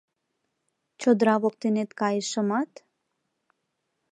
Чодыра воктенет кайышымат -